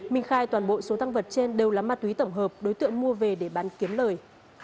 minh khai toàn bộ số tăng vật trên đều là ma túy tổng hợp đối tượng mua về để bán kiếm lời